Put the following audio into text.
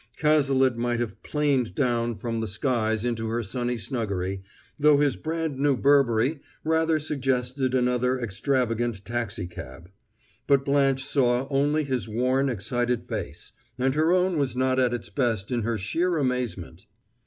Cazalet might have 'planed down from the skies into her sunny snuggery, though his brand new Burberry rather suggested another extravagant taxicab. But Blanche saw only his worn excited face; and her own was not at its best in her sheer amazement.